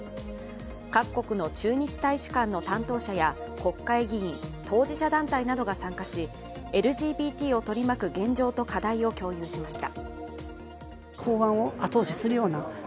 各国の駐日大使館の担当者や国会議員当事者団体などが参加しＬＧＢＴを取り巻く現状と課題を共有しました。